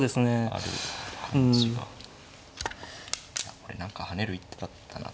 これ何か跳ねる一手だったなと。